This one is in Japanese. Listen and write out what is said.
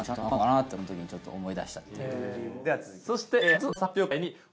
そして。